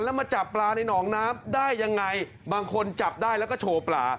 แล้วมาจับปลาในหนองน้ำได้ยังไงบางคนจับได้แล้วก็โชว์ปลา